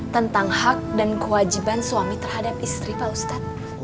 tentang hak dan kewajiban suami terhadap istri pak ustadz